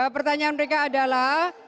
pertanyaan mereka adalah